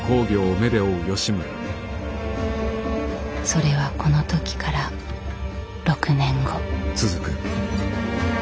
それはこの時から６年後。